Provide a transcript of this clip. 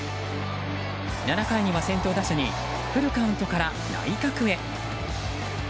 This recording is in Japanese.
７回には先頭打者にフルカウントから内角へ。